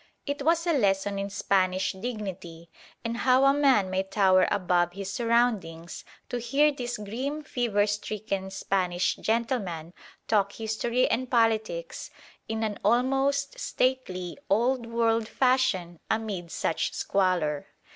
It was a lesson in Spanish dignity and how a man may tower above his surroundings to hear this grim fever stricken Spanish gentleman talk history and politics in an almost stately old world fashion amid such squalor.